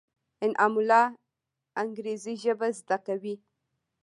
انعام الله انګرېزي ژبه زده کوي.